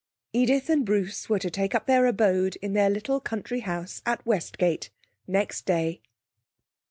Edith and Bruce were to take up their abode in their little country house at Westgate next day.